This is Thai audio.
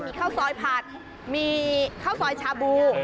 มีข้าวซอยผัดมีข้าวซอยชาบู